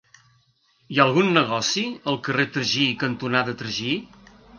Hi ha algun negoci al carrer Tragí cantonada Tragí?